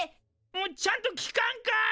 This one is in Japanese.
もうちゃんと聞かんかい！